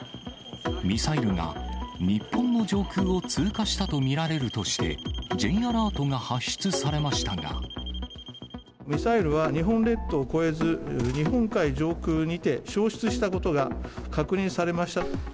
ミサイルが日本の上空を通過したと見られるとして、ミサイルは、日本列島を越えず、日本海上空にて消失したことが確認されました。